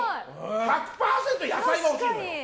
１００％野菜が欲しいのよ。